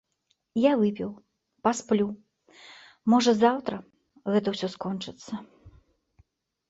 Я выпіў, пасплю, можа, заўтра гэта ўсё скончыцца.